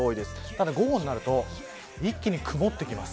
ただ午後になると一気に曇ってきます。